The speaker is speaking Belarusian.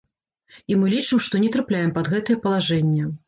І мы лічым, што не трапляем пад гэтае палажэнне.